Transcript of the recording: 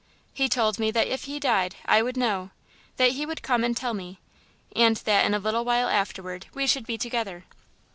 He told me that if he died, I would know, that he would come and tell me, and that in a little while afterward, we should be together."